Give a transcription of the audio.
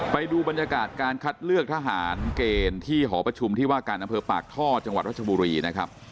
ไปดูบรรยากาศการคัดเลือกทหารเกณฑ์ที่หอประชุมที่ว่าการอำเภอปากท่อจังหวัดรัชบุรีนะครับ